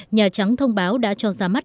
nhà trắng thông báo đã cho ra mắt